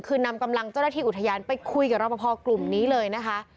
คือนำกำลังเจ้าหน้าที่อุทยานไปคุยกับรอปภกลุ่มนี้เลยนะคะ